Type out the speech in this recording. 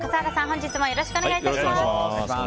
本日もよろしくお願い致します。